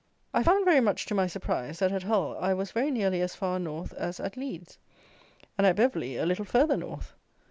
I found, very much to my surprise, that at Hull I was very nearly as far north as at Leeds, and, at Beverley, a little farther north.